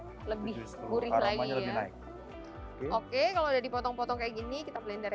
juga boleh juga nggak apa apa lebih burih lagi ya oke kalau dipotong potong kayak gini kita blender